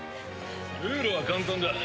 ルールは簡単だ。